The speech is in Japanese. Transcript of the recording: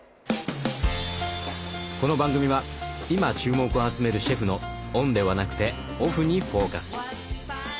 この番組は今注目を集めるシェフのオンではなくてオフにフォーカス。